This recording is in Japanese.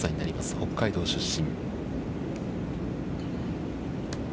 北海道出身。